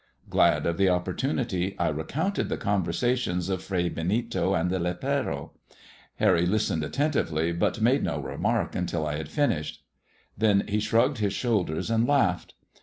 Glad of the opportunity, I recounted the conversations of Fray Benito and the lepero. Harry listened attentively, but made no remark until I had finished. Then he ahmgged his shoulders and laughed.